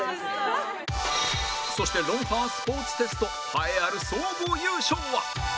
そして『ロンハー』スポーツテスト栄えある総合優勝は！？